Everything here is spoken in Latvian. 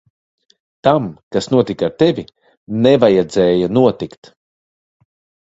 Tam, kas notika ar tevi, nevajadzēja notikt.